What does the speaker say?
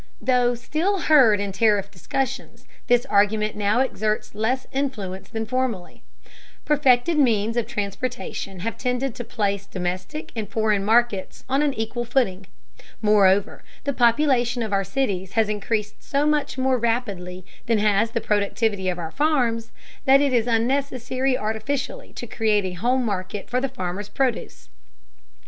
Though still heard in tariff discussions, this argument now exerts less influence than formerly. Perfected means of transportation have tended to place domestic and foreign markets on an equal footing. Moreover, the population of our cities has increased so much more rapidly than has the productivity of our farms, that it is unnecessary artificially to create a home market for the farmer's produce.